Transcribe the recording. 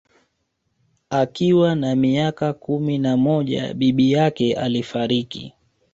Akiwa na miaka kumi na moja bibi yake alifariki